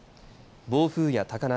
暴風や高波